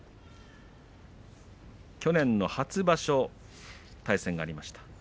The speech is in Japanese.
去年の初場所、対戦がありました。